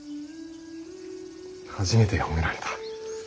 初めて褒められた。